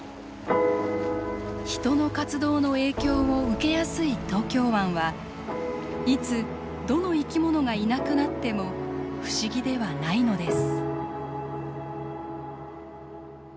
人の活動の影響を受けやすい東京湾はいつどの生きものがいなくなっても不思議ではないのです。